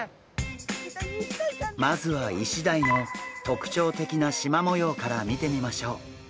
まずはイシダイの特徴的なしま模様から見てみましょう。